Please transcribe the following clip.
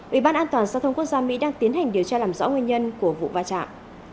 ủy ban an toàn giao thông quốc gia mỹ đang tiến hành điều tra làm rõ nguyên nhân của vụ va chạm